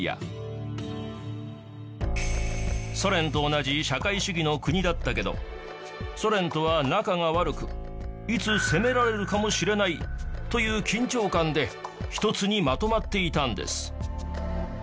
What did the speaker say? ソ連と同じ社会主義の国だったけどソ連とは仲が悪くいつ攻められるかもしれないという緊張感で一つにまとまっていたんです